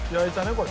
これ。